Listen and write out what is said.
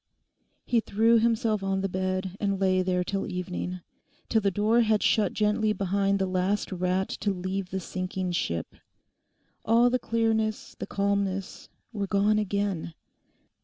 He threw himself on the bed and lay there till evening—till the door had shut gently behind the last rat to leave the sinking ship. All the clearness, the calmness were gone again.